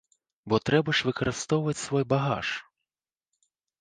Бо трэба ж выкарыстоўваць свой багаж.